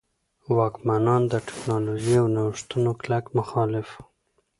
واکمنان د ټکنالوژۍ او نوښتونو کلک مخالف وو.